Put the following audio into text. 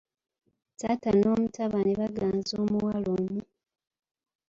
Taata n'omutabani baaganza omuwala omu.